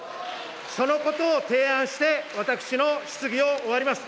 そのことを提案して、私の質疑を終わります。